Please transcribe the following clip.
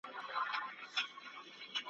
ته به لېري په پټي کي خپل واښه کړې ,